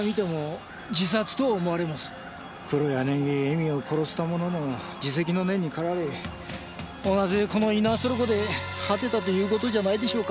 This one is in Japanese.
黒柳恵美を殺したものの自責の念に駆られ同じこの猪苗代湖で果てたということじゃないでしょうか。